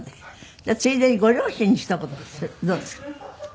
じゃあついでにご両親にひと言どうですか？